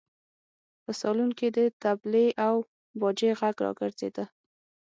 په سالون کې د تبلې او باجې غږ راګرځېده.